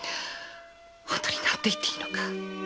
本当に何て言っていいのか。